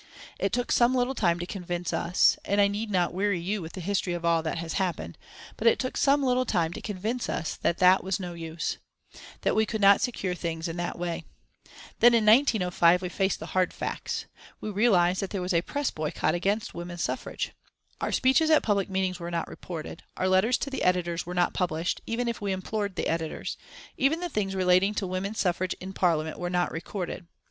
It took some little time to convince us and I need not weary you with the history of all that has happened but it took some little time to convince us that that was no use; that we could not secure things in that way. Then in 1905 we faced the hard facts. We realised that there was a Press boycott against Women's Suffrage. Our speeches at public meetings were not reported, our letters to the editors, were not published, even if we implored the editors; even the things relating to Women's Suffrage in Parliament were not recorded.